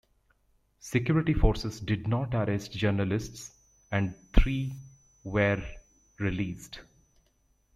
Security forces did not arrest journalists and three were released.